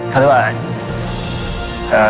เขาเรียกว่าอะไร